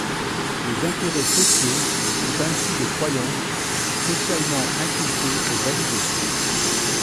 Les intérêts sociaux sont ainsi des croyances, socialement inculquées et validées.